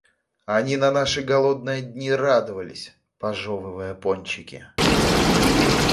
Они на наши голодные дни радовались, пожевывая пончики.